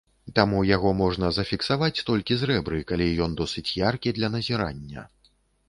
Таму яго можна зафіксаваць толькі з рэбры, калі ён досыць яркі для назірання.